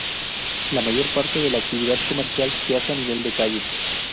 La mayor parte de la actividad comercial se hace a nivel de calle.